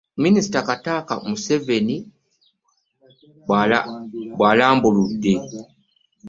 Minisita Kataha Museveni bw'alambuludde.